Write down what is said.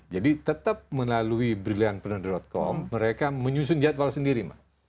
jadi tetap melalui brilliantpreneur com mereka menyusun jadwal sendiri